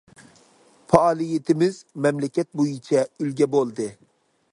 پائالىيىتىمىز مەملىكەت بويىچە ئۈلگە بولدى.